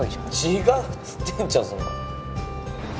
違うっつってんじゃんそんなの。